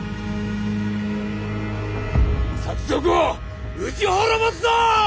賊を討ち滅ぼすぞ！